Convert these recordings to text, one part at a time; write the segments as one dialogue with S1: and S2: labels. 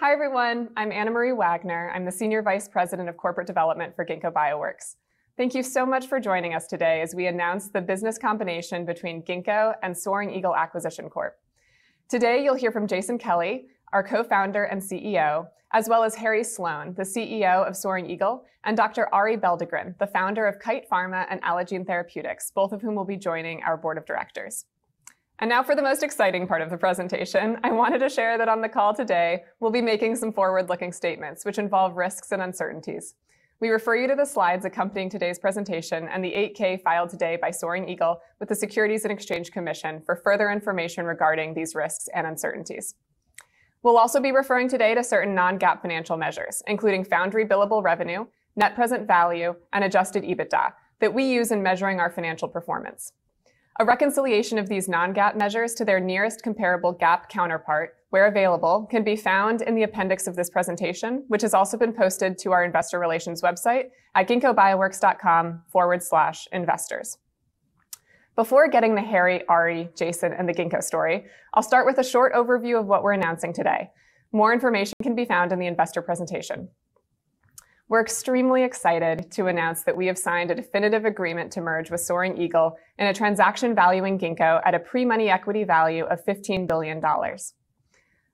S1: Hi everyone. I'm Anna Marie Wagner. I'm the Senior Vice President of Corporate Development for Ginkgo Bioworks. Thank you so much for joining us today as we announce the business combination between Ginkgo and Soaring Eagle Acquisition Corp. Today, you'll hear from Jason Kelly, our Co-Founder and CEO, as well as Harry Sloan, the CEO of Soaring Eagle, and Dr. Arie Belldegrun, the Founder of Kite Pharma and Allogene Therapeutics, both of whom will be joining our board of directors. Now for the most exciting part of the presentation, I wanted to share that on the call today, we'll be making some forward-looking statements which involve risks and uncertainties. We refer you to the slides accompanying today's presentation and the 8-K filed today by Soaring Eagle with the Securities and Exchange Commission for further information regarding these risks and uncertainties. We'll also be referring today to certain non-GAAP financial measures, including Foundry Billable Revenue, net present value, and adjusted EBITDA that we use in measuring our financial performance. A reconciliation of these non-GAAP measures to their nearest comparable GAAP counterpart, where available, can be found in the appendix of this presentation, which has also been posted to our investor relations website at ginkgobioworks.com/investors. Before getting the Harry, Arie, Jason, and the Ginkgo story, I'll start with a short overview of what we're announcing today and more information can be found in the investor presentation. We're extremely excited to announce that we have signed a definitive agreement to merge with Soaring Eagle in a transaction valuing Ginkgo at a pre-money equity value of $15 billion.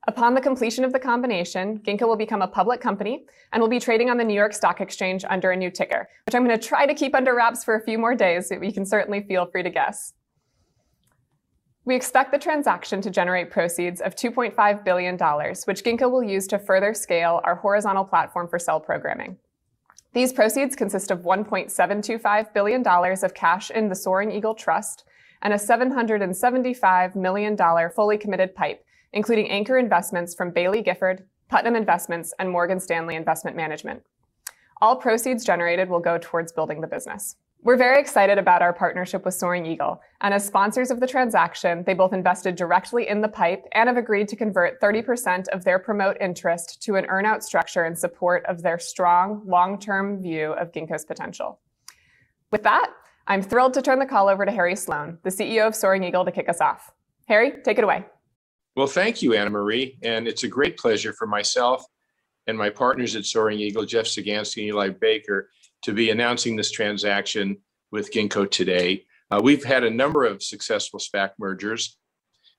S1: Upon the completion of the combination, Ginkgo will become a public company and will be trading on the New York Stock Exchange under a new ticker, which I'm going to try to keep under wraps for a few more days, but you can certainly feel free to guess. We expect the transaction to generate proceeds of $2.5 billion, which Ginkgo will use to further scale our horizontal platform for cell programming. These proceeds consist of $1.725 billion of cash in the Soaring Eagle Trust and a $775 million fully committed PIPE, including anchor investments from Baillie Gifford, Putnam Investments, and Morgan Stanley Investment Management. All proceeds generated will go towards building the business. We're very excited about our partnership with Soaring Eagle, and as sponsors of the transaction, they both invested directly in the PIPE and have agreed to convert 30% of their promote interest to an earn-out structure in support of their strong long-term view of Ginkgo's potential. With that, I'm thrilled to turn the call over to Harry Sloan, the CEO of Soaring Eagle, to kick us off. Harry, take it away.
S2: Well, thank you, Anna Marie. It's a great pleasure for myself and my partners at Soaring Eagle, Jeff Sagansky and Eli Baker, to be announcing this transaction with Ginkgo today. We've had a number of successful SPAC mergers.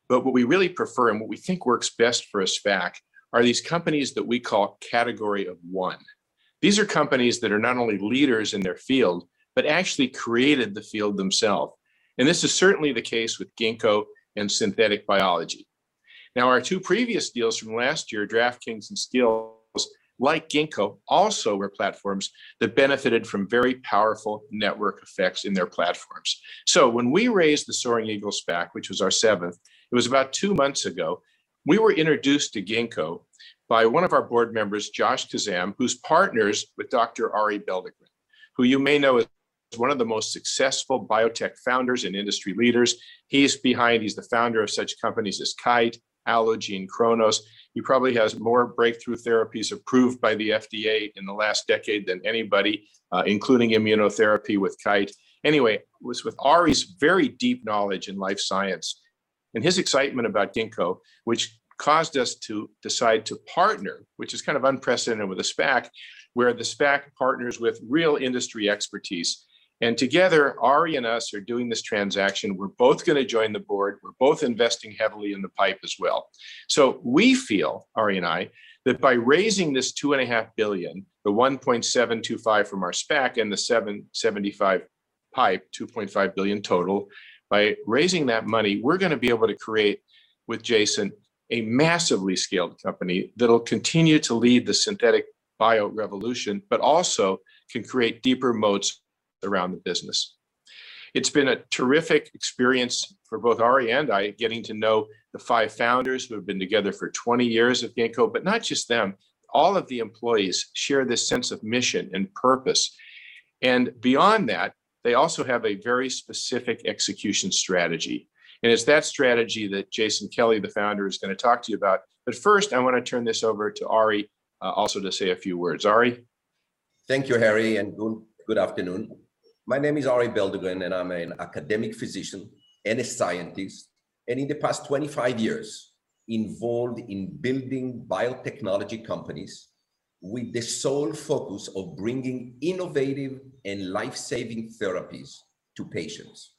S2: What we really prefer and what we think works best for a SPAC are these companies that we call category of one. These are companies that are not only leaders in their field, but actually created the field themselves, and this is certainly the case with Ginkgo and synthetic biology. Our two previous deals from last year, DraftKings and Skillz, like Ginkgo, also were platforms that benefited from very powerful network effects in their platforms. When we raised the Soaring Eagle SPAC, which was our seventh, it was about two months ago. We were introduced to Ginkgo by one of our board members, Josh Kazam, who's partners with Dr. Arie Belldegrun, who you may know as one of the most successful biotech founders and industry leaders. He's the founder of such companies as Kite, Allogene, and Kronos. He probably has more breakthrough therapies approved by the FDA in the last decade than anybody, including immunotherapy with Kite. Anyway, it was with Arie's very deep knowledge in life science and his excitement about Ginkgo, which caused us to decide to partner, which is kind of unprecedented with a SPAC, where the SPAC partners with real industry expertise, and together, Arie and us are doing this transaction. We're both going to join the board. We're both investing heavily in the PIPE as well. We feel, Arie and I, that by raising this $2.5 billion, the $1.725 from our SPAC and the $775 PIPE, $2.5 billion total, by raising that money, we're going to be able to create, with Jason, a massively scaled company that'll continue to lead the synthetic bio revolution, but also can create deeper moats around the business. It's been a terrific experience for both Arie and I, getting to know the five founders who have been together for 20 years at Ginkgo, but not just them. All of the employees share this sense of mission and purpose. Beyond that, they also have a very specific execution strategy, and it's that strategy that Jason Kelly, the founder, is going to talk to you about. First, I want to turn this over to Arie also to say a few words. Arie?
S3: Thank you, Harry, and good afternoon. My name is Arie Belldegrun, and I'm an academic physician and a scientist, and in the past 25 years, involved in building biotechnology companies with the sole focus of bringing innovative and life-saving therapies to patients.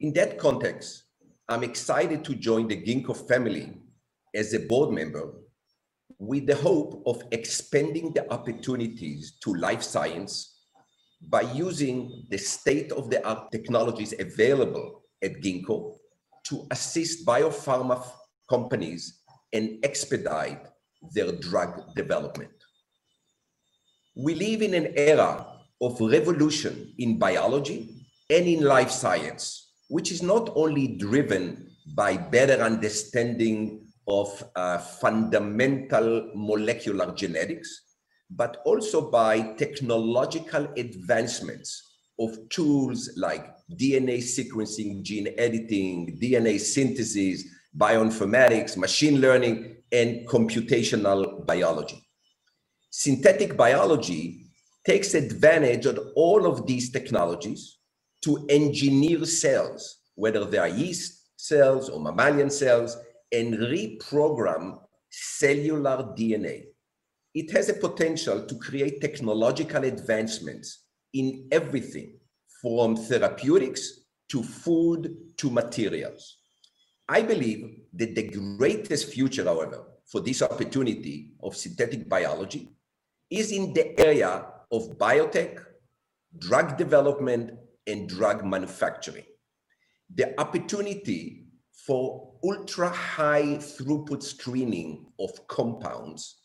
S3: In that context, I'm excited to join the Ginkgo family as a board member with the hope of expanding the opportunities to life science by using the state-of-the-art technologies available at Ginkgo to assist biopharma companies and expedite their drug development. We live in an era of revolution in biology and in life science, which is not only driven by better understanding of fundamental molecular genetics, but also by technological advancements of tools like DNA sequencing, gene editing, DNA synthesis, bioinformatics, machine learning, and computational biology. Synthetic biology takes advantage of all of these technologies to engineer cells, whether they are yeast cells or mammalian cells, and reprogram cellular DNA. It has a potential to create technological advancements in everything from therapeutics to food to materials. I believe that the greatest future, however, for this opportunity of synthetic biology is in the area of biotech, drug development, and drug manufacturing. The opportunity for ultra-high throughput screening of compounds,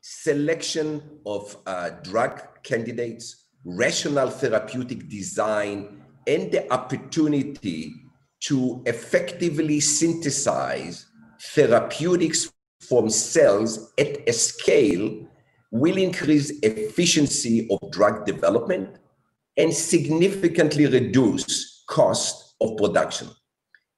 S3: selection of drug candidates, rational therapeutic design, and the opportunity to effectively synthesize therapeutics from cells at scale will increase efficiency of drug development, and significantly reduce cost of production.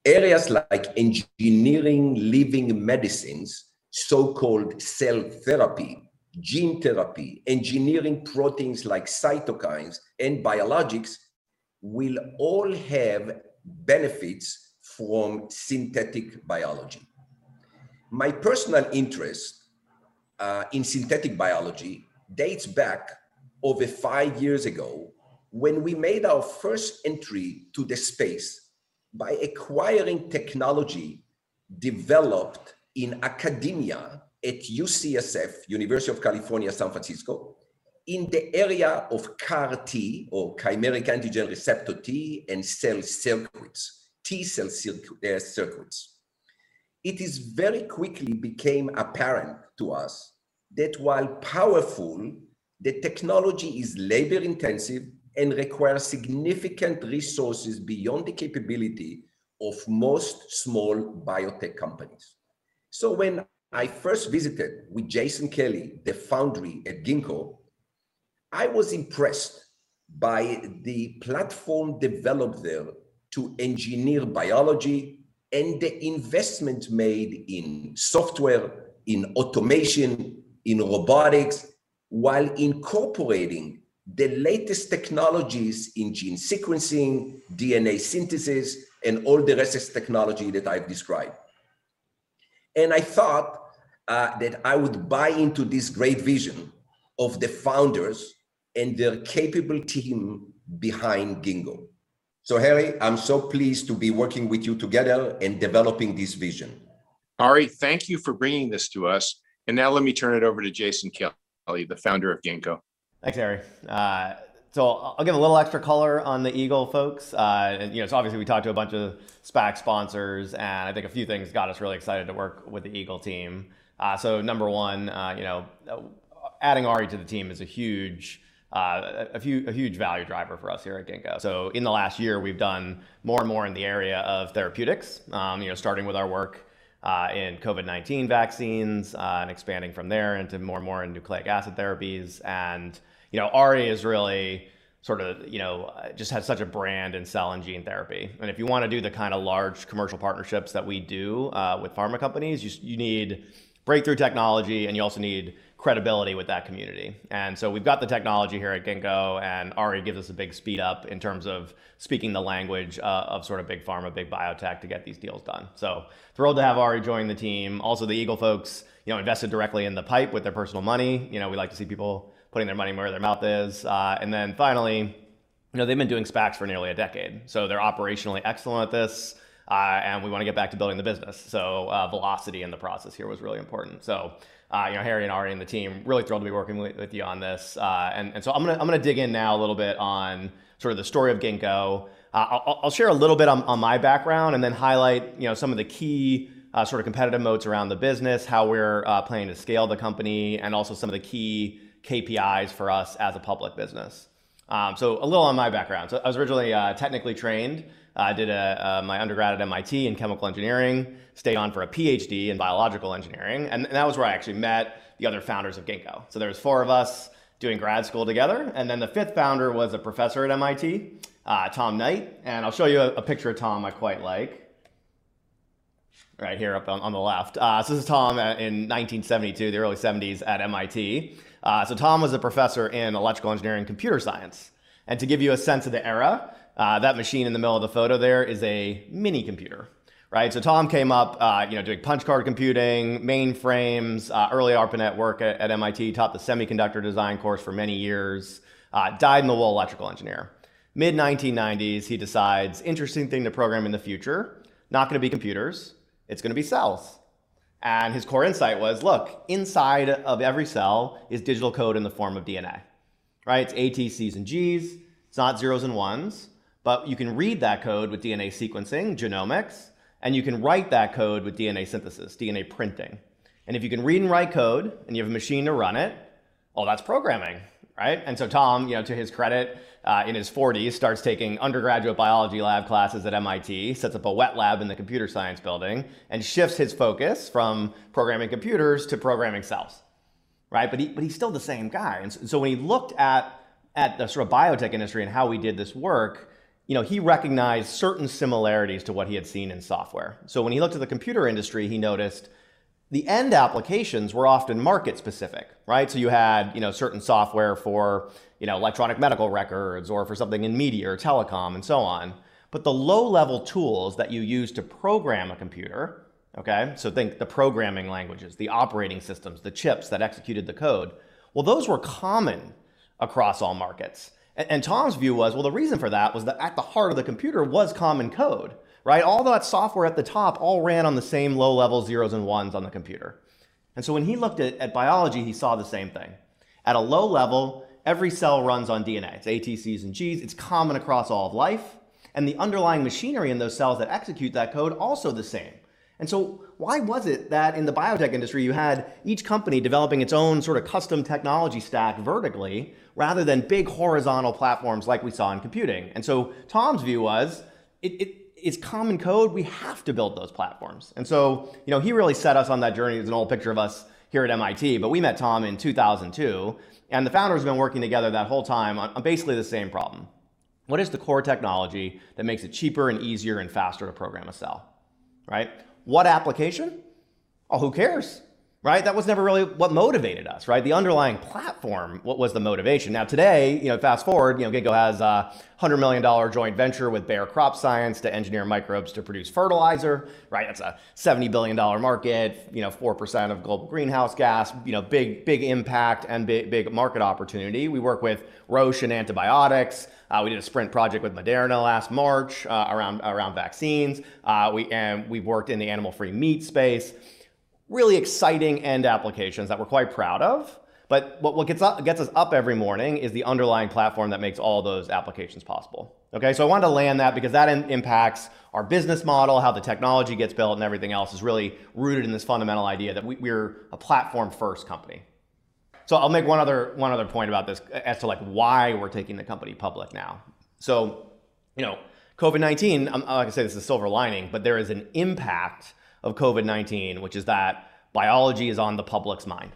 S3: Areas like engineering living medicines, so-called cell therapy, gene therapy, engineering proteins like cytokines and biologics will all have benefits from synthetic biology. My personal interest in synthetic biology dates back over five years ago when we made our first entry to the space by acquiring technology developed in academia at UCSF, University of California, San Francisco, in the area of CAR T or chimeric antigen receptor T and cell circuits, T cell circuits. It is very quickly became apparent to us that while powerful, the technology is labor intensive and requires significant resources beyond the capability of most small biotech companies. When I first visited with Jason Kelly, the Foundry at Ginkgo, I was impressed by the platform developed there to engineer biology and the investment made in software, in automation, in robotics, while incorporating the latest technologies in gene sequencing, DNA synthesis, and all the rest of technology that I've described. I thought that I would buy into this great vision of the founders and their capable team behind Ginkgo. Harry, I'm so pleased to be working with you together and developing this vision.
S2: Arie, thank you for bringing this to us. Now let me turn it over to Jason Kelly, the Founder of Ginkgo.
S4: Thanks, Harry, so I'll give a little extra color on the Eagle, folks. You know, obviously, we talked to a bunch of SPAC sponsors, and I think a few things got us really excited to work with the Eagle team. Number one, you know, adding Ari to the team is a huge value driver for us here at Ginkgo. In the last year, we've done more and more in the area of therapeutics, you know, starting with our work in COVID-19 vaccines, and expanding from there into more and more in nucleic acid therapies. Ari is really just has such a brand in cell and gene therapy, but If you want to do the kind of large commercial partnerships that we do with pharma companies, you need breakthrough technology, and you also need credibility with that community. We've got the technology here at Ginkgo, Ari gives us a big speed up in terms of speaking the language of sort of big pharma, big biotech to get these deals done, so thrilled to have Ari join the team. Also, the Eagle folks invested directly in the PIPE with their personal money. We like to see people putting their money where their mouth is. Finally, they've been doing SPACs for nearly a decade. They're operationally excellent at this and we want to get back to building the business. Velocity in the process here was really important. Harry and Ari and the team, really thrilled to be working with you on this. I'm going to dig in now a little bit on sort of the story of Ginkgo. I'll share a little bit on my background and then highlight some of the key competitive modes around the business, how we're planning to scale the company, and also some of the key KPIs for us as a public business. A little on my background. I was originally technically trained. I did my undergrad at MIT in chemical engineering, stayed on for a PhD in biological engineering, and that was where I actually met the other founders of Ginkgo. There was four of us doing grad school together, and then the fifth founder was a professor at MIT, Tom Knight, and I'll show you a picture of Tom I quite like right here up on the left. This is Tom in 1972, the early '70s at MIT. Tom was a professor in electrical engineering and computer science. To give you a sense of the era, that machine in the middle of the photo there is a minicomputer, right? Tom came up doing punch card computing, mainframes, early ARPANET work at MIT, taught the semiconductor design course for many years, dyed-in-the-wool electrical engineer. Mid 1990s, he decides interesting thing to program in the future, not going to be computers, it's going to be cells, and his core insight was, look, inside of every cell is digital code in the form of DNA, right? It's A, T, Cs and Gs. It's not zeros and ones. You can read that code with DNA sequencing, genomics, and you can write that code with DNA synthesis, DNA printing, and If you can read and write code and you have a machine to run it, well, that's programming, right? Tom, to his credit, in his 40s, starts taking undergraduate biology lab classes at MIT, sets up a wet lab in the computer science building, and shifts his focus from programming computers to programming cells, right? He's still the same guy. When he looked at the biotech industry and how we did this work, you know, he recognized certain similarities to what he had seen in software. When he looked at the computer industry, he noticed the end applications were often market-specific, right. You had certain software for electronic medical records or for something in media or telecom and so on. The low-level tools that you use to program a computer, okay, so think the programming languages, the operating systems, the chips that executed the code, well, those were common across all markets. Tom's view was, well, the reason for that was that at the heart of the computer was common code. All that software at the top all ran on the same low-level zeros and ones on the computer. When he looked at biology, he saw the same thing. At a low level, every cell runs on DNA. It's A, T, Cs and Gs. It's common across all of life, and the underlying machinery in those cells that execute that code, also the same. Why was it that in the biotech industry, you had each company developing its own custom technology stack vertically rather than big horizontal platforms like we saw in computing? Tom's view was, it's common code, we have to build those platforms, and so he really set us on that journey. There's an old picture of us here at MIT but we met Tom in 2002. The founder's been working together that whole time on basically the same problem. What is the core technology that makes it cheaper and easier and faster to program a cell, right? What application? Who cares, right? That was never really what motivated us. The underlying platform, what was the motivation? Now today, fast-forward, Ginkgo has a $100 million joint venture with Bayer Crop Science to engineer microbes to produce fertilizer. That's a $70 billion market, 4% of global greenhouse gas, big impact and big market opportunity. We work with Roche in antibiotics. We did a sprint project with Moderna last March, around vaccines. We've worked in the animal-free meat space, really exciting end applications that we're quite proud of, but what gets us up every morning is the underlying platform that makes all those applications possible, okay. I wanted to land that because that impacts our business model, how the technology gets built, and everything else is really rooted in this fundamental idea that we're a platform-first company. I'll make one other point about this as to why we're taking the company public now. COVID-19, not going to say this is a silver lining, but there is an impact of COVID-19, which is that biology is on the public's mind,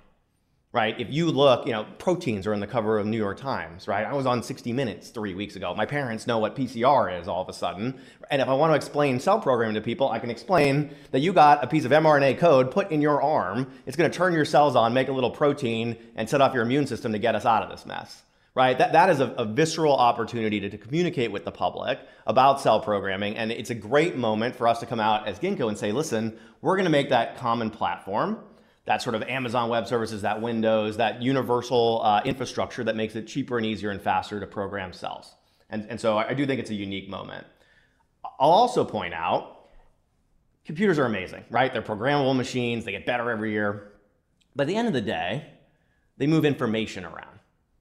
S4: right. If you look, you know, proteins are on the cover of The New York Times. I was on 60 Minutes three weeks ago. My parents know what PCR is all of a sudden. If I want to explain cell programming to people, I can explain that you got a piece of mRNA code put in your arm, it's going to turn your cells on, make a little protein, and set off your immune system to get us out of this mess, right. That is a visceral opportunity to communicate with the public about cell programming, and it's a great moment for us to come out as Ginkgo and say, "Listen, we're going to make that common platform, that sort of Amazon Web Services, that Windows, that universal infrastructure that makes it cheaper and easier and faster to program cells." I do think it's a unique moment. I'll also point out, computers are amazing, right. They're programmable machines. They get better every year. At the end of the day, they move information around.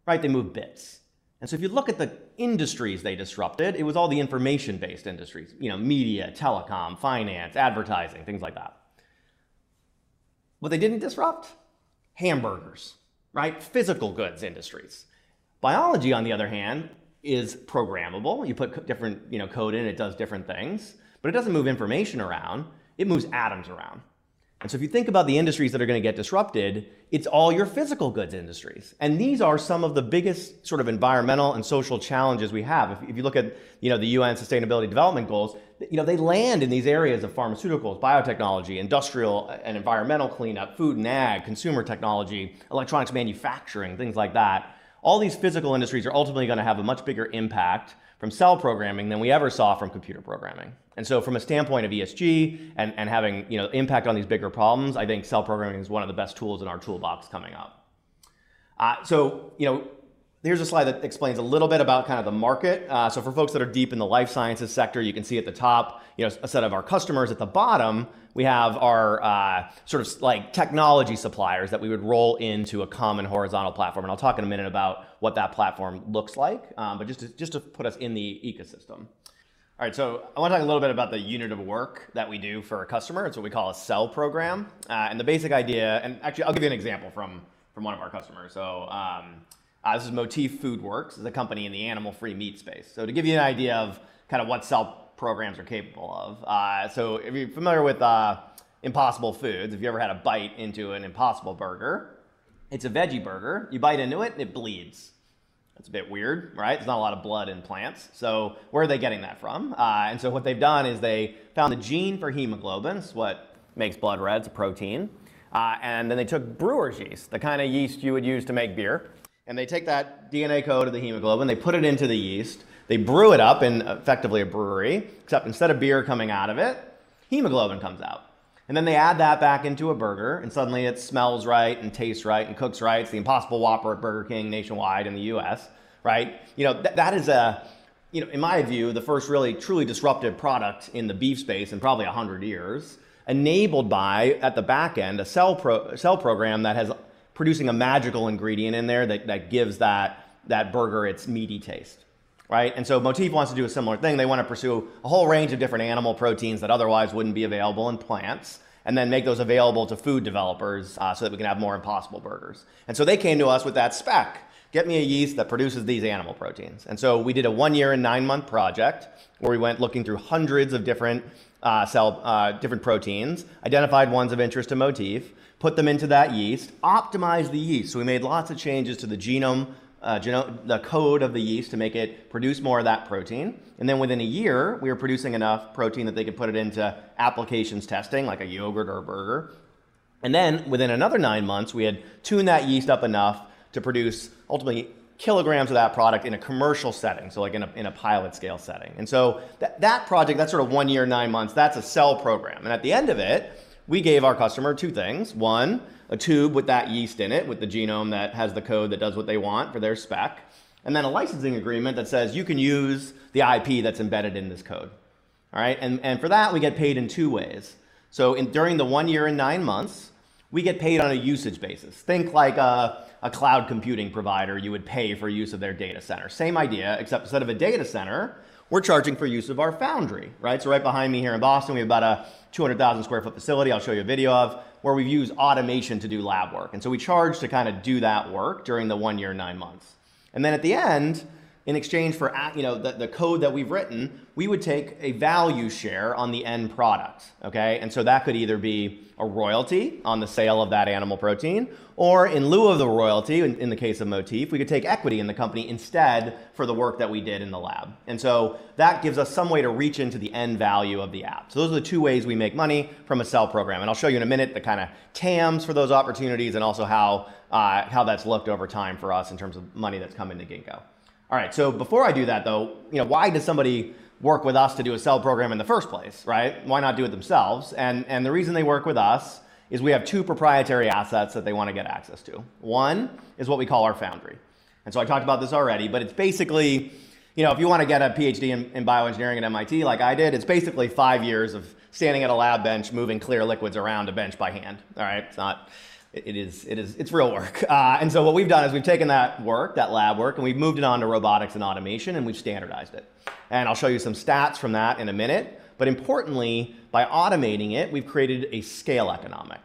S4: They move bits. If you look at the industries they disrupted, it was all the information-based industries, you know, media, telecom, finance, advertising, things like that. What they didn't disrupt? Hamburgers, right. Physical goods industries. Biology, on the other hand, is programmable. You put different code in, it does different things, but it doesn't move information around, it moves atoms around. If you think about the industries that are going to get disrupted, it's all your physical goods industries. These are some of the biggest environmental and social challenges we have. If you look at the UN Sustainable Development Goals, they land in these areas of pharmaceuticals, biotechnology, industrial, and environmental cleanup, food and ag, consumer technology, electronics manufacturing, and things like that. All these physical industries are ultimately going to have a much bigger impact from cell programming than we ever saw from computer programming. From a standpoint of ESG and having impact on these bigger problems, I think cell programming is one of the best tools in our toolbox coming up. Here's a slide that explains a little bit about the market. For folks that are deep in the life sciences sector, you can see at the top, a set of our customers. At the bottom, we have our technology suppliers that we would roll into a common horizontal platform, and I'll talk in a minute about what that platform looks like, but just to put us in the ecosystem. All right. I want to talk a little bit about the unit of work that we do for a customer. It's what we call a Cell Program. The basic idea, and actually, I'll give you an example from one of our customers. This is Motif FoodWorks, is a company in the animal-free meat space. To give you an idea of what cell programs are capable of. If you're familiar with Impossible Foods, if you ever had a bite into an Impossible Burger, it's a veggie burger, you bite into it, and it bleeds. That's a bit weird, right? There's not a lot of blood in plants. Where are they getting that from? What they've done is they found a gene for hemoglobin. It's what makes blood red. It's a protein, then they took brewer's yeast, the kind of yeast you would use to make beer, and they take that DNA code of the hemoglobin, they put it into the yeast. They brew it up in effectively a brewery, except instead of beer coming out of it, hemoglobin comes out. They add that back into a burger, and suddenly it smells right and tastes right and cooks right. It's the Impossible Whopper at Burger King nationwide in the U.S. That is, in my view, the first really truly disruptive product in the beef space in probably 100 years, enabled by, at the back end, a cell program that has producing a magical ingredient in there that gives that burger its meaty taste, right. Motif wants to do a similar thing. They want to pursue a whole range of different animal proteins that otherwise wouldn't be available in plants, and then make those available to food developers, so that we can have more Impossible Burgers. They came to us with that spec, "Get me a yeast that produces these animal proteins." We did a one-year and nine-month project where we went looking through hundreds of different proteins, identified ones of interest to Motif, put them into that yeast, optimized the yeast. We made lots of changes to the genome, the code of the yeast to make it produce more of that protein. Then within a year, we were producing enough protein that they could put it into applications testing, like a yogurt or a burger, and then within another nine months, we had tuned that yeast up enough to produce ultimately kilograms of that product in a commercial setting, so in a pilot scale setting. That project, that one year, nine months, that's a cell program, and at the end of it, we gave our customer two things. One, a tube with that yeast in it, with the genome that has the code that does what they want for their spec, and then a licensing agreement that says, "You can use the IP that's embedded in this code." All right. For that, we get paid in two ways, and so during the one year and nine months, we get paid on a usage basis, think like a cloud computing provider, you would pay for use of their data center. Same idea, except instead of a data center, we're charging for use of our Foundry, right. Right behind me here in Boston, we have about a 200,000 sq ft facility, I'll show you a video of, where we've used automation to do lab work. We charge to do that work during the one year and nine months. Then at the end, in exchange for the code that we've written, we would take a value share on the end product, okay. That could either be a royalty on the sale of that animal protein, or in lieu of the royalty, in the case of Motif, we could take equity in the company instead for the work that we did in the lab. That gives us some way to reach into the end value of the app. Those are the two ways we make money from a cell program. I'll show you in a minute the kind of TAMs for those opportunities and also how that's looked over time for us in terms of money that's come into Ginkgo. All right. Before I do that, though, why does somebody work with us to do a Cell Program in the first place, right? Why not do it themselves? The reason they work with us is we have two proprietary assets that they want to get access to. One is what we call our Foundry, and so I talked about this already, but it's basically if you want to get a PhD in bioengineering at MIT like I did, it's basically five years of standing at a lab bench, moving clear liquids around a bench by hand, all right? It's real work. What we've done is we've taken that work, that lab work, and we've moved it on to robotics and automation, and we've standardized it. I'll show you some stats from that in a minute. Importantly, by automating it, we've created a scale economic.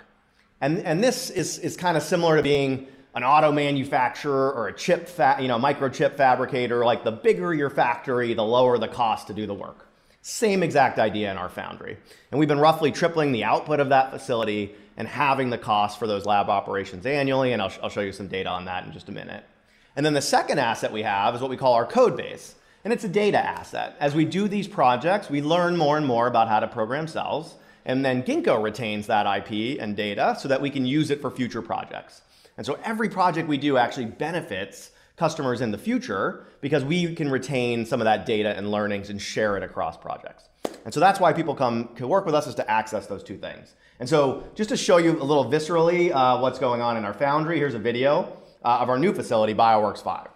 S4: This is similar to being an auto manufacturer or a microchip fabricator. The bigger your factory, the lower the cost to do the work. Same exact idea in our Foundry. We've been roughly tripling the output of that facility and halving the cost for those lab operations annually, and I'll show you some data on that in just a minute. The second asset we have is what we call our Codebase, and it's a data asset. As we do these projects, we learn more and more about how to program cells, and then Ginkgo retains that IP and data so that we can use it for future projects. Every project we do actually benefits customers in the future because we can retain some of that data and learnings and share it across projects. That's why people come to work with us, is to access those two things, and so just to show you a little viscerally what's going on in our Foundry, here's a video of our new facility, Bioworks5.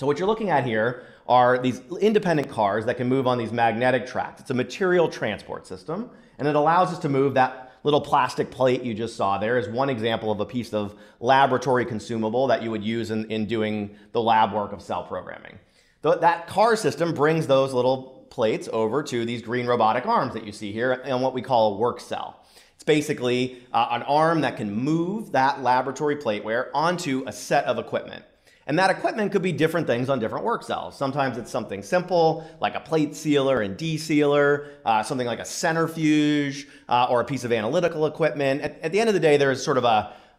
S4: What you're looking at here are these independent cars that can move on these magnetic tracks. It's a material transport system, and it allows us to move that little plastic plate you just saw there, is one example of a piece of laboratory consumable that you would use in doing the lab work of cell programming. That car system brings those little plates over to these green robotic arms that you see here in what we call a work cell. It's basically an arm that can move that laboratory plate ware onto a set of equipment. That equipment could be different things on different work cells. Sometimes it's something simple like a plate sealer and de-sealer, something like a centrifuge, or a piece of analytical equipment. At the end of the day, there is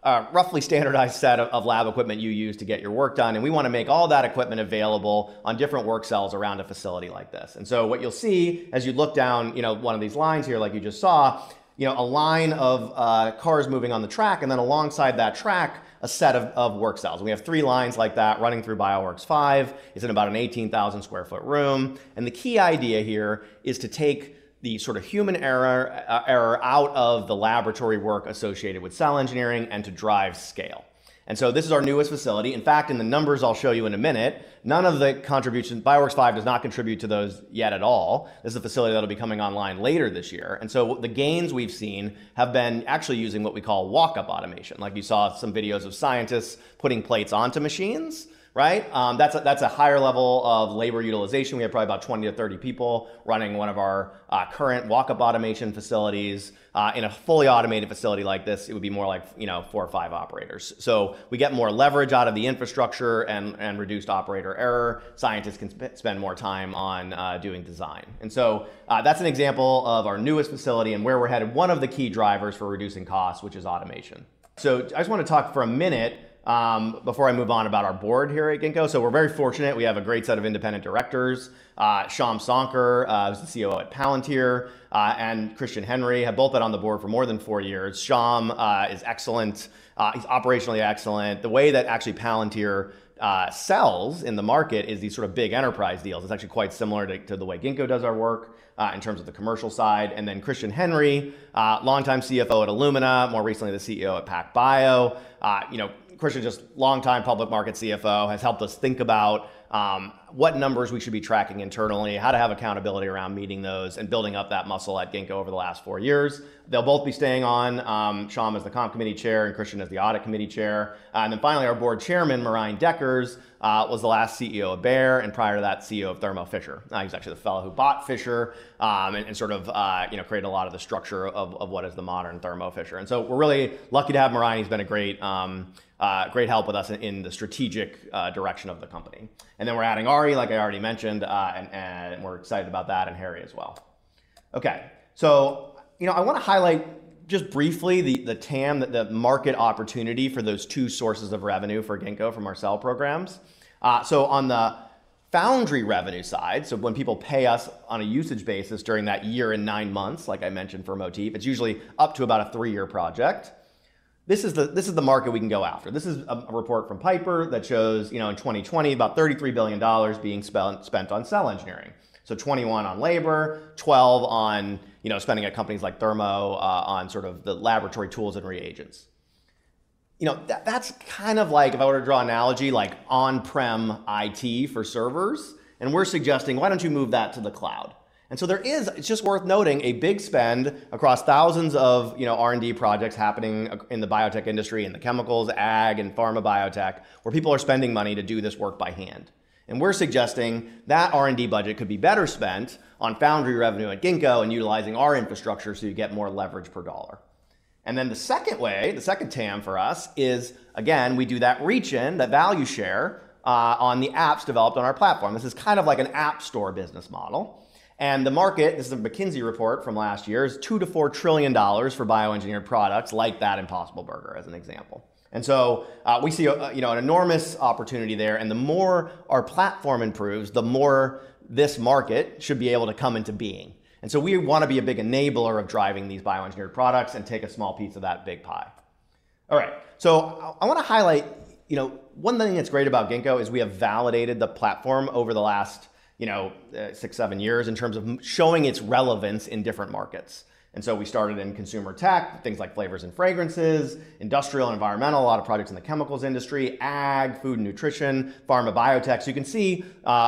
S4: a roughly standardized set of lab equipment you use to get your work done, and we want to make all that equipment available on different work cells around a facility like this. What you'll see as you look down one of these lines here, like you just saw, a line of cars moving on the track, and then alongside that track, a set of work cells. We have three lines like that running through Bioworks5, it's in about an 18,000 sq ft room and the key idea here is to take the human error out of the laboratory work associated with cell engineering and to drive scale. This is our newest facility. In fact, in the numbers I'll show you in a minute, Bioworks5 does not contribute to those yet at all. This is a facility that'll be coming online later this year. The gains we've seen have been actually using what we call walk-up automation. Like you saw some videos of scientists putting plates onto machines, right? That's a higher level of labor utilization. We have probably about 20 to 30 people running one of our current walk-up automation facilities. In a fully automated facility like this, it would be more like four or five operators. We get more leverage out of the infrastructure and reduced operator error. Scientists can spend more time on doing design. That's an example of our newest facility and where we're headed. One of the key drivers for reducing costs, which is automation. I just want to talk for a minute before I move on about our board here at Ginkgo so we're very fortunate. We have a great set of independent directors. Shyam Sankar, who's the CEO at Palantir, and Christian Henry have both been on the board for more than four years. Shyam is excellent. He's operationally excellent. The way that actually Palantir sells in the market is these big enterprise deals. It's actually quite similar to the way Ginkgo does our work in terms of the commercial side. Christian Henry, longtime CFO at Illumina, more recently the CEO at PacBio. You know, Christian, just longtime public market CFO, has helped us think about what numbers we should be tracking internally, how to have accountability around meeting those, and building up that muscle at Ginkgo over the last four years. They'll both be staying on, Shyam as the Comp Committee Chair, and Christian as the Audit Committee Chair. Finally, our Board Chairman, Marijn Dekkers, was the last CEO of Bayer, and prior to that, CEO of Thermo Fisher. He's actually the fellow who bought Fisher, and sort of created a lot of the structure of what is the modern Thermo Fisher. We're really lucky to have Marijn. He's been a great help with us in the strategic direction of the company. We're adding Arie, like I already mentioned, and we're excited about that, and Harry as well. Okay. I want to highlight just briefly the TAM, the market opportunity for those two sources of revenue for Ginkgo from our cell programs. On the Foundry revenue side, when people pay us on a usage basis during that year and nine months, like I mentioned for Motif, it's usually up to about a three-year project. This is the market we can go after. This is a report from Piper that shows, you know, in 2020, about $33 billion being spent on cell engineering. $21 billion on labor, $12 billion on spending at companies like Thermo on sort of the laboratory tools and reagents. That's kind of like, if I were to draw an analogy, like on-prem IT for servers, and we're suggesting why don't you move that to the cloud? It's just worth noting a big spend across thousands of R&D projects happening in the biotech industry and the chemicals, ag, and pharma biotech, where people are spending money to do this work by hand. We're suggesting that R&D budget could be better spent on Foundry revenue at Ginkgo and utilizing our infrastructure so you get more leverage per dollar. Then the second way, the second TAM for us is, again, we do that reach-in, that value share, on the apps developed on our platform. This is kind of like an app store business model. The market, this is a McKinsey report from last year, is $2 trillion to $4 trillion for bioengineered products like that Impossible Burger, as an example. We see an enormous opportunity there, and the more our platform improves, the more this market should be able to come into being. We want to be a big enabler of driving these bioengineered products and take a small piece of that big pie. All right. I want to highlight, you know, one thing that's great about Ginkgo is we have validated the platform over the last six, seven years in terms of showing its relevance in different markets. We started in consumer tech, things like flavors and fragrances, industrial and environmental, a lot of products in the chemicals industry, ag, food and nutrition, pharma biotech. You can see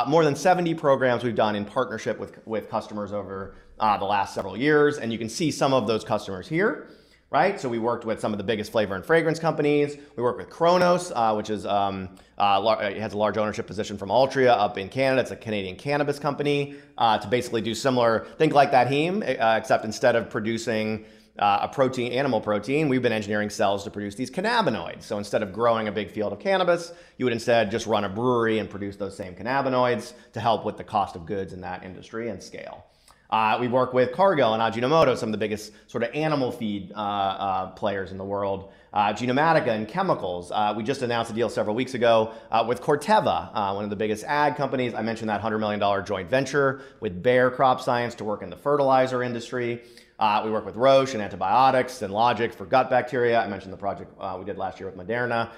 S4: more than 70 programs we've done in partnership with customers over the last several years, and you can see some of those customers here, right? We worked with some of the biggest flavor and fragrance companies. We work with Cronos, which has a large ownership position from Altria up in Canada. It's a Canadian cannabis company, to basically do similar things like that heme, except instead of producing a animal protein, we've been engineering cells to produce these cannabinoids. Instead of growing a big field of cannabis, you would instead just run a brewery and produce those same cannabinoids to help with the cost of goods in that industry and scale. We work with Cargill and Ajinomoto, some of the biggest animal feed players in the world, Genomatica in chemicals. We just announced a deal several weeks ago with Corteva, one of the biggest ag companies. I mentioned that $100 million joint venture with Bayer Crop Science to work in the fertilizer industry. We work with Roche in antibiotics, Synlogic for gut bacteria. I mentioned the project we did last year with Moderna.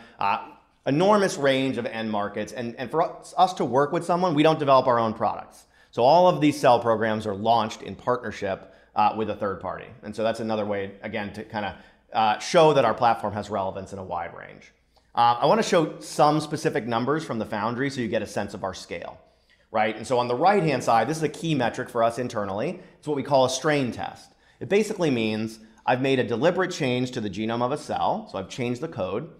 S4: Enormous range of end markets. For us to work with someone, we don't develop our own products, so all of these cell programs are launched in partnership with a third party. That's another way, again, to show that our platform has relevance in a wide range. I want to show some specific numbers from the Foundry so you get a sense of our scale, right? On the right-hand side, this is a key metric for us internally. It's what we call a strain test. It basically means I've made a deliberate change to the genome of a cell, so I've changed the code,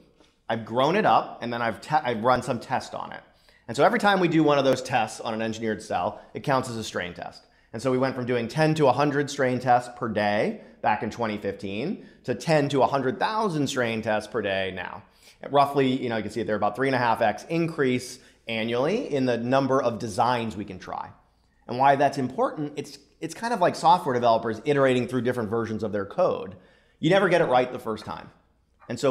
S4: I've grown it up, and then I've run some tests on it. Every time we do one of those tests on an engineered cell, it counts as a strain test. We went from doing 10 to 100 strain tests per day back in 2015 to 10 to 100,000 strain tests per day now. Roughly, you can see it there, about 3.5x increase annually in the number of designs we can try, and why that's important, it's kind of like software developers iterating through different versions of their code. You never get it right the first time.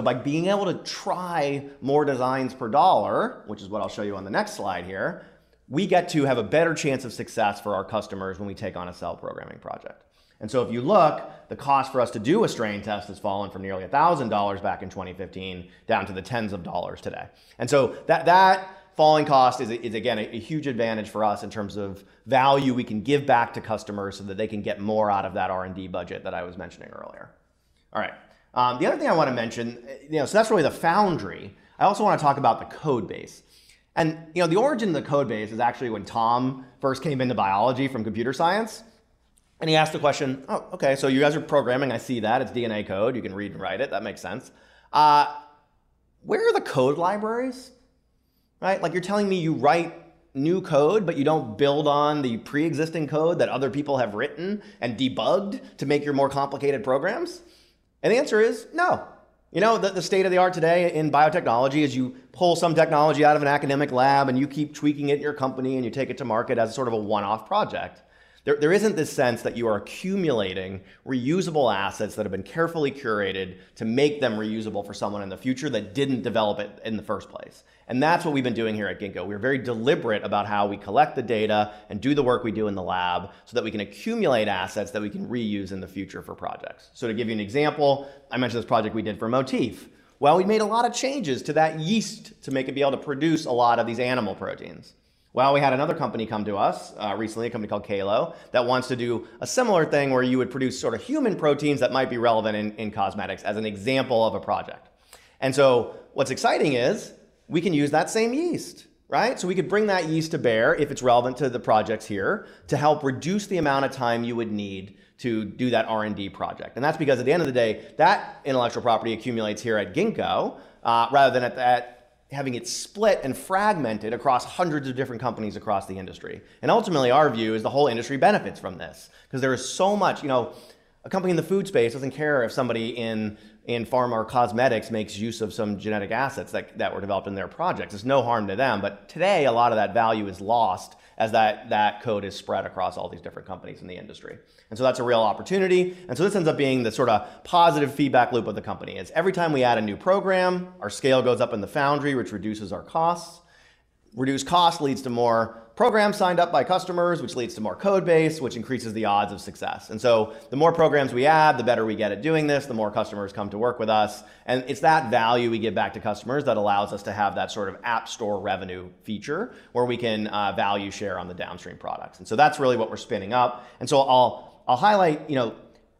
S4: By being able to try more designs per dollar, which is what I'll show you on the next slide here, we get to have a better chance of success for our customers when we take on a cell programming project. If you look, the cost for us to do a strain test has fallen from nearly $1,000 back in 2015, down to the tens of dollars today. That falling cost is, again, a huge advantage for us in terms of value we can give back to customers so that they can get more out of that R&D budget that I was mentioning earlier. All right. The other thing I want to mention, so that's really the Foundry. I also want to talk about the Codebase. The origin of the Codebase is actually when Tom first came into biology from computer science, and he asked the question, "Oh, okay, so you guys are programming." I see that. It's DNA code. You can read and write it. That makes sense. Where are the code libraries, right? Like you're telling me you write new code, but you don't build on the preexisting code that other people have written and debugged to make your more complicated programs? The answer is no. The state-of-the-art today in biotechnology is you pull some technology out of an academic lab, and you keep tweaking it at your company, and you take it to market as sort of a one-off project. There isn't this sense that you are accumulating reusable assets that have been carefully curated to make them reusable for someone in the future that didn't develop it in the first place, and that's what we've been doing here at Ginkgo. We're very deliberate about how we collect the data and do the work we do in the lab so that we can accumulate assets that we can reuse in the future for projects. To give you an example, I mentioned this project we did for Motif. Well, we made a lot of changes to that yeast to make it be able to produce a lot of these animal proteins. Well, we had another company come to us recently, a company called Kalow, that wants to do a similar thing where you would produce sort of human proteins that might be relevant in cosmetics as an example of a project. What's exciting is we can use that same yeast, right? We could bring that yeast to Bayer, if it's relevant to the projects here, to help reduce the amount of time you would need to do that R&D project. That's because at the end of the day, that intellectual property accumulates here at Ginkgo, rather than having it split and fragmented across hundreds of different companies across the industry. Ultimately, our view is the whole industry benefits from this, because a company in the food space doesn't care if somebody in pharma or cosmetics makes use of some genetic assets that were developed in their projects. It's no harm to them. Today, a lot of that value is lost as that code is spread across all these different companies in the industry. That's a real opportunity. This ends up being the positive feedback loop of the company, is every time we add a new program, our scale goes up in the Foundry, which reduces our costs. Reduced costs leads to more programs signed up by customers, which leads to more Codebase, which increases the odds of success. The more programs we add, the better we get at doing this, the more customers come to work with us. It's that value we give back to customers that allows us to have that sort of app store revenue feature where we can value share on the downstream products. That's really what we're spinning up. I'll highlight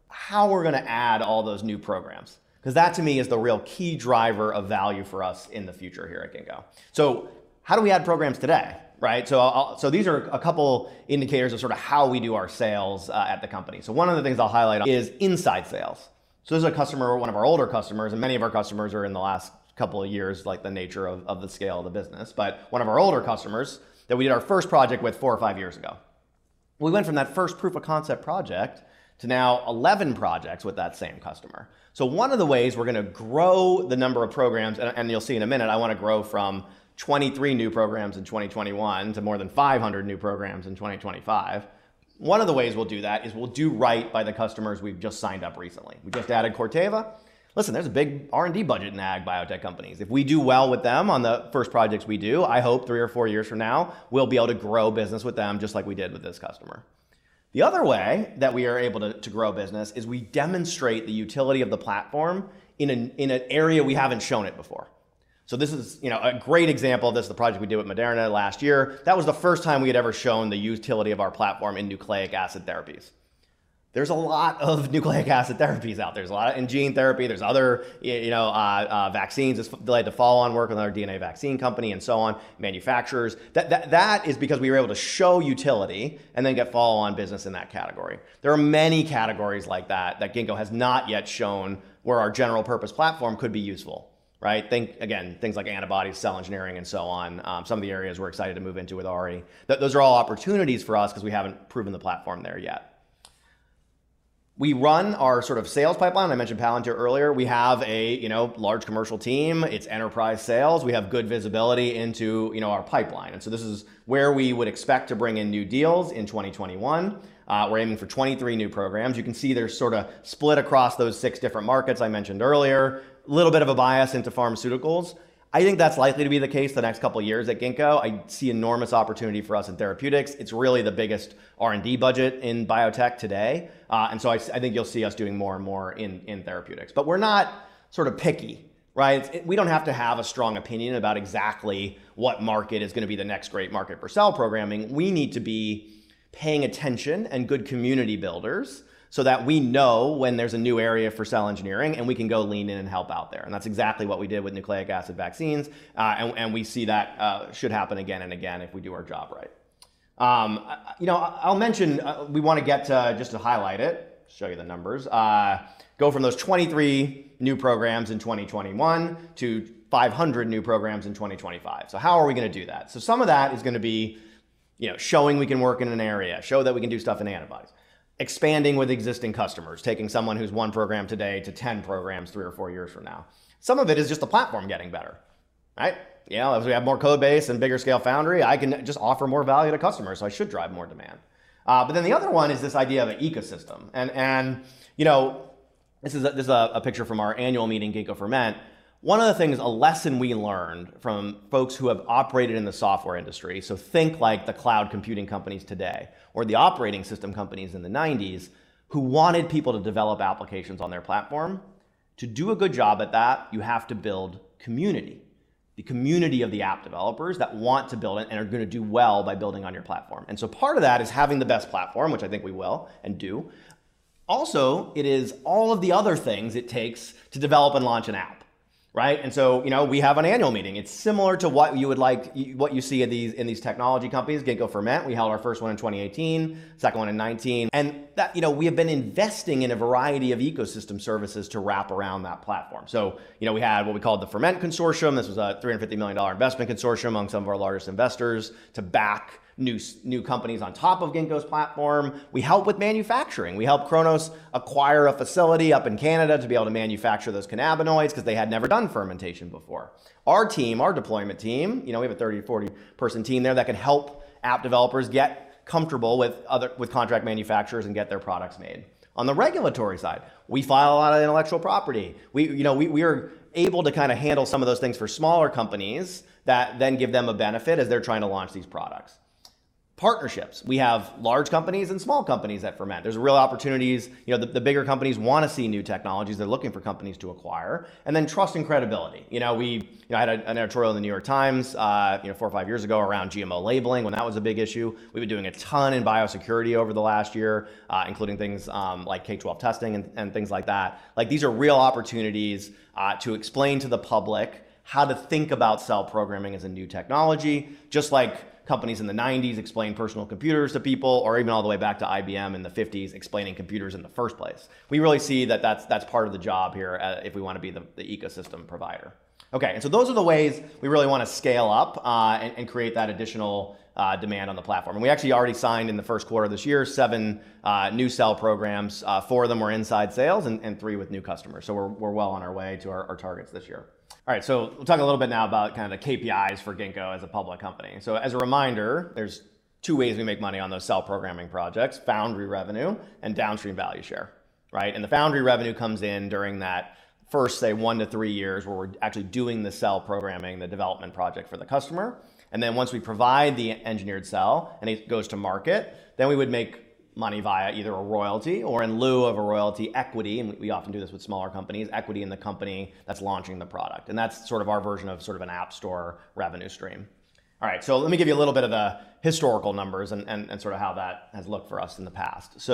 S4: how we're going to add all those new programs, because that to me is the real key driver of value for us in the future here at Ginkgo. How do we add programs today, right? These are a couple indicators of how we do our sales at the company. One of the things I'll highlight is inside sales. This is a customer, one of our older customers, and many of our customers are in the last couple of years, like the nature of the scale of the business, but one of our older customers that we did our first project with four or five years ago. We went from that first proof of concept project to now 11 projects with that same customer. One of the ways we're going to grow the number of programs, and you'll see in a minute, I want to grow from 23 new programs in 2021 to more than 500 new programs in 2025. One of the ways we'll do that is we'll do right by the customers we've just signed up recently. We just added Corteva. Listen, there's a big R&D budget in ag biotech companies. If we do well with them on the first projects we do, I hope three or four years from now, we'll be able to grow business with them just like we did with this customer. The other way that we are able to grow business is we demonstrate the utility of the platform in an area we haven't shown it before. This is a great example of this, the project we did with Moderna last year. That was the first time we had ever shown the utility of our platform in nucleic acid therapies. There's a lot of nucleic acid therapies out there. There's a lot in gene therapy. There's other vaccines. They like to follow on work with another DNA vaccine company and so on, manufacturers, that is because we were able to show utility and then get follow-on business in that category. There are many categories like that Ginkgo has not yet shown where our general purpose platform could be useful, right? Think, again, things like antibodies, Cell Engineering, and so on. Some of the areas we're excited to move into with Arie. Those are all opportunities for us because we haven't proven the platform there yet. We run our sales pipeline. I mentioned Palantir earlier. We have a large commercial team. It's enterprise sales. We have good visibility into our pipeline. This is where we would expect to bring in new deals in 2021. We're aiming for 23 new programs. You can see they're split across those six different markets I mentioned earlier, a little bit of a bias into pharmaceuticals. I think that's likely to be the case the next couple of years at Ginkgo. I see enormous opportunity for us in therapeutics. It's really the biggest R&D budget in biotech today. I think you'll see us doing more and more in therapeutics. We're not picky, right? We don't have to have a strong opinion about exactly what market is going to be the next great market for cell programming. We need to be paying attention and good community builders so that we know when there's a new area for cell engineering and we can go lean in and help out there. That's exactly what we did with nucleic acid vaccines. We see that should happen again and again if we do our job right. I'll mention, we want to get to, just to highlight it, I'll show you the numbers. Go from those 23 new programs in 2021 to 500 new programs in 2025. How are we going to do that? Some of that is going to be showing we can work in an area, show that we can do stuff in antibodies, expanding with existing customers, taking someone who's one program today to 10 programs three or four years from now. Some of it is just the platform getting better, right. As we add more Codebase and bigger scale Foundry, I can just offer more value to customers, so I should drive more demand. The other one is this idea of an ecosystem and, you know, this is a picture from our annual meeting, Ginkgo Ferment. One of the things, a lesson we learned from folks who have operated in the software industry, so think like the cloud computing companies today or the operating system companies in the '90s who wanted people to develop applications on their platform. To do a good job at that, you have to build community, the community of the app developers that want to build it and are going to do well by building on your platform. Part of that is having the best platform, which I think we will and do. Also, it is all of the other things it takes to develop and launch an app, right? We have an annual meeting. It's similar to what you see in these technology companies, Ginkgo Ferment. We held our first one in 2018, second one in 2019. We have been investing in a variety of ecosystem services to wrap around that platform. We had what we called the Ferment Consortium. This was a $350 million investment consortium among some of our largest investors to back new companies on top of Ginkgo's platform. We help with manufacturing. We helped Cronos acquire a facility up in Canada to be able to manufacture those cannabinoids because they had never done fermentation before. Our team, our deployment team, you know, we have a 30 person to 40 person team there that can help app developers get comfortable with contract manufacturers and get their products made. On the regulatory side, we file a lot of intellectual property. You know, we are able to handle some of those things for smaller companies that then give them a benefit as they're trying to launch these products. Partnerships. We have large companies and small companies at Ferment. There's real opportunities, you know, the bigger companies want to see new technologies. They're looking for companies to acquire. Trust and credibility. I had an editorial in "The New York Times" four or five years ago around GMO labeling when that was a big issue. We've been doing a ton in biosecurity over the last year, including things like K12 testing and things like that, like these are real opportunities to explain to the public how to think about cell programming as a new technology, just like companies in the '90s explained personal computers to people, or even all the way back to IBM in the '50s explaining computers in the first place. We really see that that's part of the job here if we want to be the ecosystem provider. Okay, those are the ways we really want to scale up and create that additional demand on the platform. We actually already signed in the first quarter of this year, seven new cell programs. Four of them were inside sales and three with new customers. We're well on our way to our targets this year. All right, we'll talk a little bit now about the KPIs for Ginkgo as a public company. As a reminder, there's two ways we make money on those cell programming projects, foundry revenue and downstream value share, right? The foundry revenue comes in during that first, say, one to three years where we're actually doing the cell programming, the development project for the customer. Once we provide the engineered cell and it goes to market, then we would make money via either a royalty or in lieu of a royalty, equity, and we often do this with smaller companies, equity in the company that's launching the product. That's our version of an app store revenue stream. All right, let me give you a little bit of the historical numbers and how that has looked for us in the past.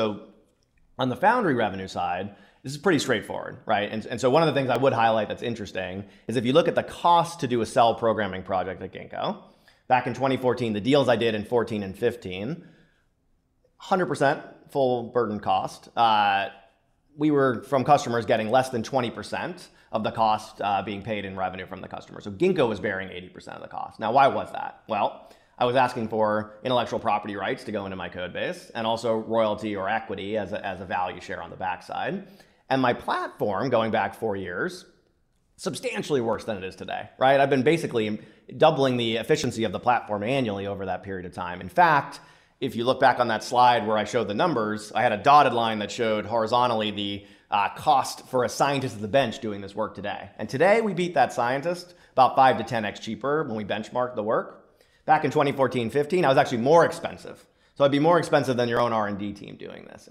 S4: On the Foundry revenue side, this is pretty straightforward, right? One of the things I would highlight that's interesting is if you look at the cost to do a cell programming project at Ginkgo, back in 2014, the deals I did in 2014 and 2015, 100% full burden cost. We were, from customers, getting less than 20% of the cost being paid in revenue from the customer. Ginkgo was bearing 80% of the cost. Now why was that? Well, I was asking for intellectual property rights to go into my Codebase and also royalty or equity as a value share on the backside. My platform, going back four years, substantially worse than it is today, right? I've been basically doubling the efficiency of the platform annually over that period of time. In fact, if you look back on that slide where I showed the numbers, I had a dotted line that showed horizontally the cost for a scientist at the bench doing this work today. Today, we beat that scientist about 5x to 10X cheaper when we benchmark the work. Back in 2014, 2015, I was actually more expensive, so it'd be more expensive than your own R&D team doing this.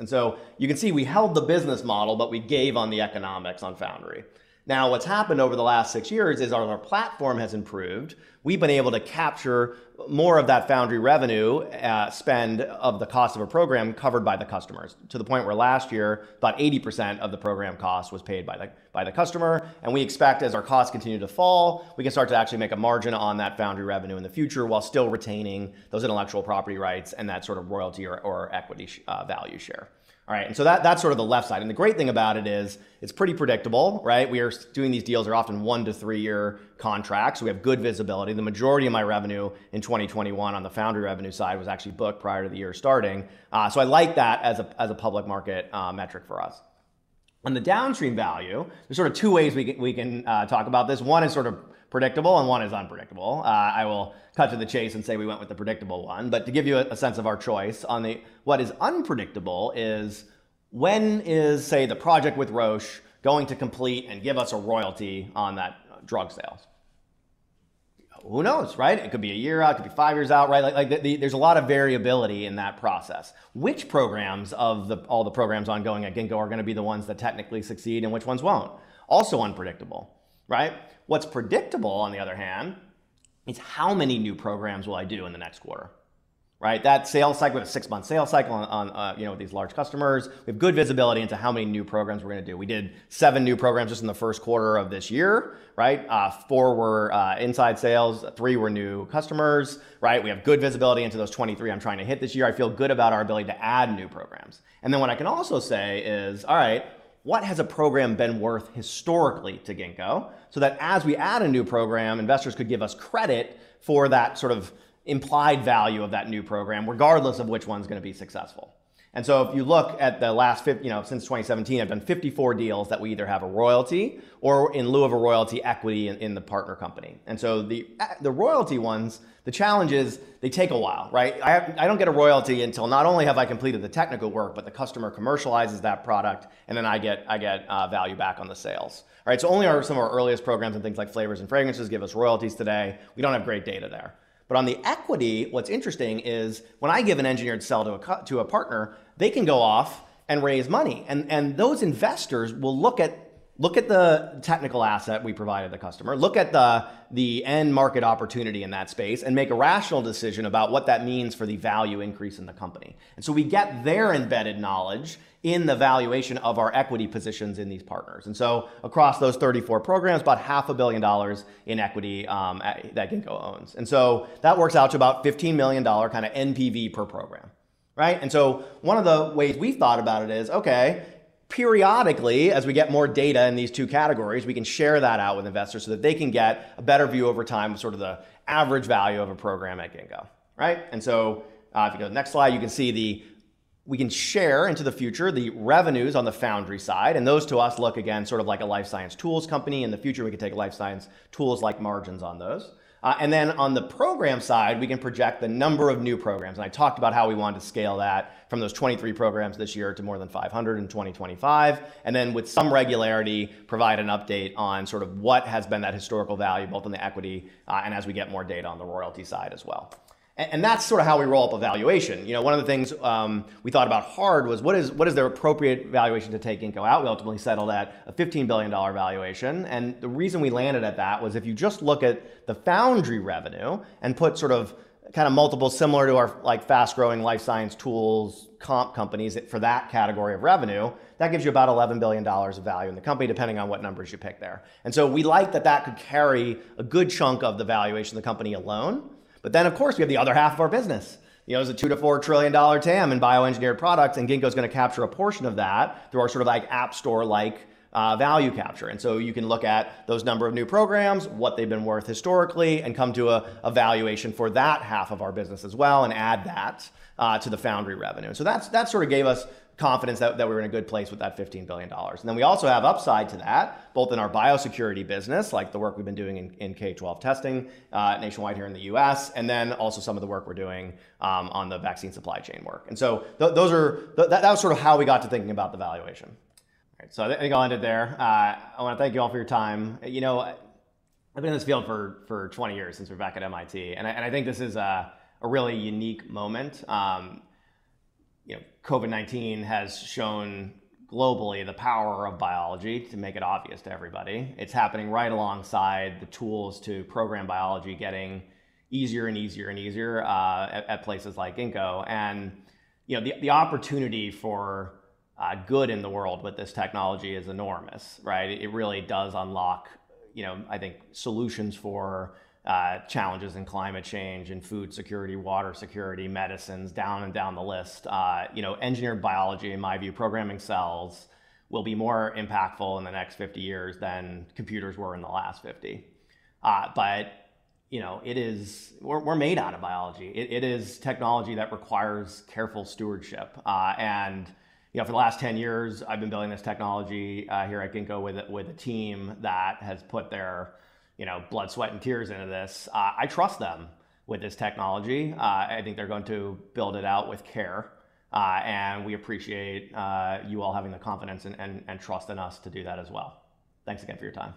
S4: You can see we held the business model, but we gave on the economics on Foundry. Now, what's happened over the last six years is as our platform has improved, we've been able to capture more of that Foundry revenue spend of the cost of a program covered by the customers, to the point where last year, about 80% of the program cost was paid by the customer. We expect as our costs continue to fall, we can start to actually make a margin on that Foundry revenue in the future while still retaining those intellectual property rights and that royalty or equity value share, all right, that's the left side. The great thing about it is it's pretty predictable, right? We are doing these deals are often one to three-year contracts. We have good visibility. The majority of my revenue in 2021 on the Foundry revenue side was actually booked prior to the year starting. I like that as a public market metric for us. On the downstream value, there's two ways we can talk about this, one is predictable, and one is unpredictable. I will cut to the chase and say we went with the predictable one. To give you a sense of our choice on what is unpredictable is when is, say, the project with Roche going to complete and give us a royalty on that drug sales? Who knows, right? It could be one year out, it could be five years out, right? There is a lot of variability in that process. Which programs of all the programs ongoing at Ginkgo are going to be the ones that technically succeed and which ones won't? Also unpredictable, right? What is predictable, on the other hand, is how many new programs will I do in the next quarter, right? That sales cycle is a six-month sales cycle on these large customers. We have good visibility into how many new programs we are going to do. We did seven new programs just in the first quarter of this year, right? Four were inside sales, three were new customers, right? We have good visibility into those 23 I'm trying to hit this year. I feel good about our ability to add new programs. What I can also say is, all right, what has a program been worth historically to Ginkgo, so that as we add a new program, investors could give us credit for that implied value of that new program, regardless of which one's going to be successful. If you look at since 2017, I've done 54 deals that we either have a royalty or in lieu of a royalty, equity in the partner company. The royalty ones, the challenge is they take a while, right? I don't get a royalty until not only have I completed the technical work, but the customer commercializes that product, and then I get value back on the sales, right? Only some of our earliest programs and things like flavors and fragrances give us royalties today. We don't have great data there. On the equity, what's interesting is when I give an engineered cell to a partner, they can go off and raise money, and those investors will look at the technical asset we provided the customer, look at the end market opportunity in that space, and make a rational decision about what that means for the value increase in the company. We get their embedded knowledge in the valuation of our equity positions in these partners. Across those 34 programs, about half a billion dollars in equity that Ginkgo owns, so that works out to about $15 million NPV per program, right? One of the ways we've thought about it is, okay, periodically, as we get more data in these two categories, we can share that out with investors so that they can get a better view over time of the average value of a program at Ginkgo, right? If you go to the next slide, you can see we can share into the future the revenues on the foundry side, and those to us look again like a life science tools company. In the future, we can take life science tools like margins on those. On the program side, we can project the number of new programs. I talked about how we wanted to scale that from those 23 programs this year to more than 500 in 2025, and then with some regularity, provide an update on what has been that historical value, both on the equity and as we get more data on the royalty side as well. That's how we roll up a valuation. One of the things we thought about hard was what is the appropriate valuation to take Ginkgo out? We ultimately settled at a $15 billion valuation. The reason we landed at that was if you just look at the Foundry revenue and put multiples similar to our fast-growing life science tools comp companies for that category of revenue, that gives you about $11 billion of value in the company, depending on what numbers you pick there. We like that that could carry a good chunk of the valuation of the company alone. Then, of course, we have the other half of our business. There's a $2 trillion-$4 trillion TAM in bioengineered products, and Ginkgo's going to capture a portion of that through our app store-like value capture. You can look at those number of new programs, what they've been worth historically, and come to a valuation for that half of our business as well, and add that to the Foundry revenue. That gave us confidence that we were in a good place with that $15 billion. We also have upside to that, both in our biosecurity business, like the work we've been doing in K12 testing nationwide here in the U.S., and then also some of the work we're doing on the vaccine supply chain work. That was how we got to thinking about the valuation. I think I'll end it there. I want to thank you all for your time. You know what? I've been in this field for 20 years, since we were back at MIT, and I think this is a really unique moment. COVID-19 has shown globally the power of biology to make it obvious to everybody. It's happening right alongside the tools to program biology getting easier and easier and easier at places like Ginkgo. The opportunity for good in the world with this technology is enormous, right? It really does unlock, I think, solutions for challenges in climate change, in food security, water security, medicines, down and down the list. Engineered biology, in my view, programming cells, will be more impactful in the next 50 years than computers were in the last 50. We're made out of biology. It is technology that requires careful stewardship, and for the last 10 years, I've been building this technology here at Ginkgo with a team that has put their blood, sweat, and tears into this. I trust them with this technology. I think they're going to build it out with care. We appreciate you all having the confidence and trust in us to do that as well. Thanks again for your time.